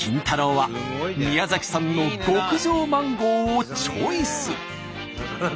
は宮崎産の極上マンゴーをチョイス。